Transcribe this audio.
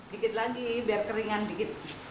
dikit lagi biar keringan dikit